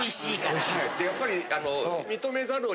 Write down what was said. やっぱり。